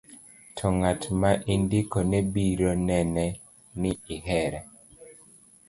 to ng'at ma indiko ne biro nene ni ihere